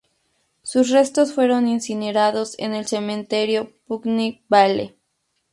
Sus restos fueron incinerados en el Cementerio Putney Vale.